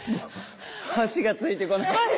足がついてこない。